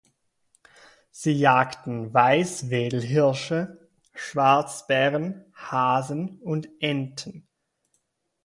Sie jagten Weißwedelhirsche, Schwarzbären, Hasen und Enten.